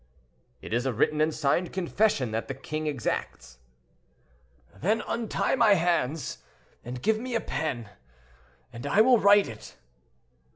"It is a written and signed confession that the king exacts." "Then untie my hands, and give me a pen and I will write it."